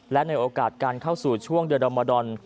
และในโอกาสการเข้าสู่ช่วงเดือนรมดอน